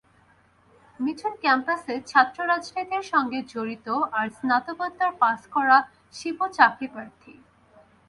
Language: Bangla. মিঠুন ক্যাম্পাসে ছাত্ররাজনীতির সঙ্গে জড়িত আর স্নাতকোত্তর পাস করা শিপু চাকরি প্রার্থী।